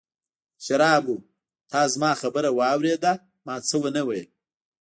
د شرابو، تا زما خبره واورېده، ما څه ونه ویل.